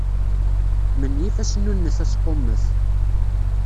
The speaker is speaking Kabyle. Menyif asnunnet asqummet.